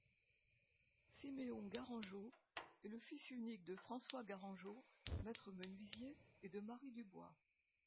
Siméon Garangeau est le fils unique de François Garangeau maître-menuisier et de Marie Dubois.